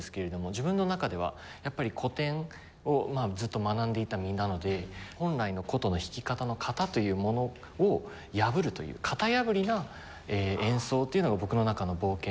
自分の中ではやっぱり古典をずっと学んでいた身なので本来の箏の弾き方の形というものを破るという型破りな演奏っていうのが僕の中の冒険で。